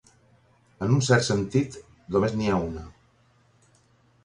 En un cert sentit, només n'hi ha una.